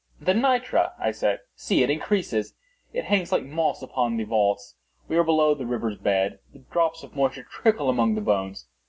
"The nitre!" I said: "see, it increases. It hangs like moss upon the vaults. We are below the river's bed. The drops of moisture trickle among the bones.